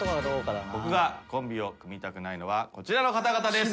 僕がコンビを組みたくないのはこちらの方々です。